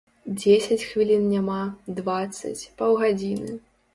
Дзесяць хвілін няма, дваццаць, паўгадзіны.